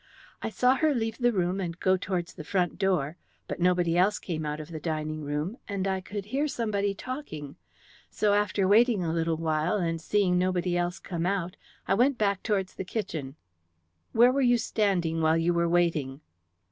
I saw her leave the room and go towards the front door, but nobody else came out of the dining room, and I could hear somebody talking. So after waiting a little while, and seeing nobody else come out, I went back towards the kitchen." "Where were you standing while you were waiting?"